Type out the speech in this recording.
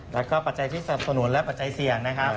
แล้วก็ปัจจัยที่สนับสนุนและปัจจัยเสี่ยงนะครับ